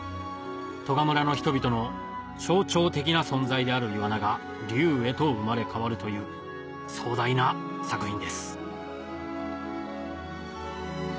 利賀村の人々の象徴的な存在であるイワナが龍へと生まれ変わるという壮大な作品です